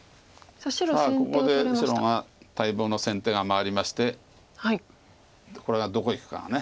さあここで白が待望の先手が回りましてこれがどこいくかが。